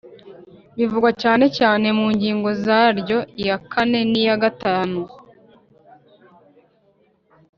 Bivugwa cyane cyane mu ngingo zaryo iya kane n’iya gatanu